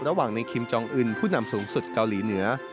ระหว่างในคิมจองอื่นผู้นำสูงสุดเกาหลีเหนือ